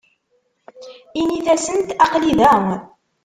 Init-asent aql-i da.